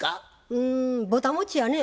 うんぼたもちやね。